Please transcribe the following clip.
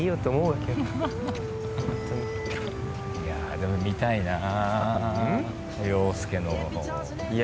でも見たいなぁ涼介の。